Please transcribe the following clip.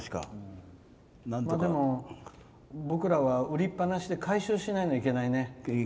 でも、僕らは売りっぱなしで回収しないのはいけないね。